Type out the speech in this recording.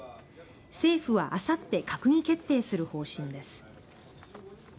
政府はあさって閣議決定する方針です。